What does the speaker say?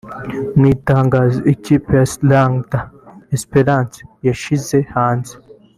Mu itangazo ikipe ya Sagrada Esperanca yashyize hanze